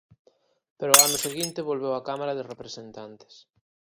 Pero ao ano seguinte volveu á Cámara de Representantes.